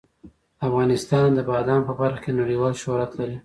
افغانستان د بادام په برخه کې نړیوال شهرت لري.